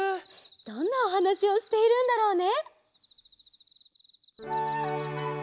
どんなおはなしをしているんだろうね！